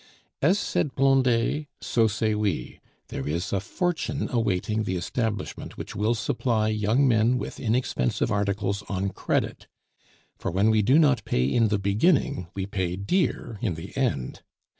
As said Blondet, so say we; there is a fortune awaiting the establishment which will supply young men with inexpensive articles on credit; for when we do not pay in the beginning, we pay dear in the end.